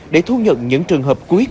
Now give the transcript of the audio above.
để thu nhận những trường hợp cuối cùng